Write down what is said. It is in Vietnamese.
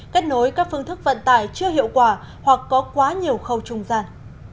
kết nối các phương thức vận tải chưa hiệu quả hoặc có quá nhiều khâu trung gian